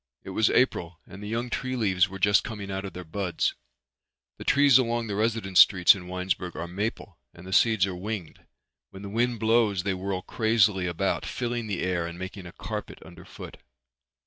It was April and the young tree leaves were just coming out of their buds. The trees along the residence streets in Winesburg are maple and the seeds are winged. When the wind blows they whirl crazily about, filling the air and making a carpet underfoot.